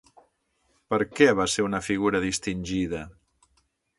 Per què va ser una figura distingida?